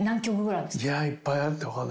いやいっぱいあって分かんない。